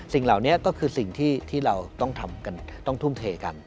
สิ่งเหล่านี้ก็คือสิ่งที่เราต้องทำกันต้องทุ่มเทกัน